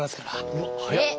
うわっ早っ。